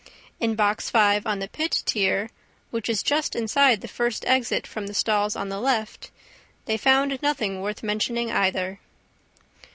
In Box Five on the pit tier, which is just inside the first exit from the stalls on the left, they found nothing worth mentioning either.